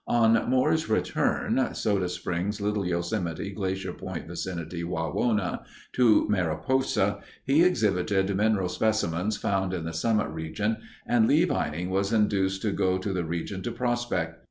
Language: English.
On Moore's return (Soda Springs Little Yosemite Glacier Point vicinity Wawona) to Mariposa he exhibited mineral specimens found in the summit region and Lee Vining was induced to go to the region to prospect.